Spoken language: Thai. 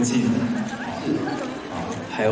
ที่อยากประเทศออีก